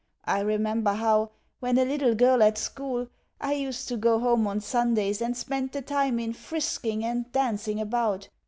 I remember how, when a little girl at school, I used to go home on Sundays and spend the time in frisking and dancing about.